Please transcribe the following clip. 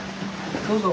どうぞ。